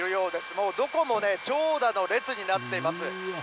もうどこもね、長蛇の列になっています。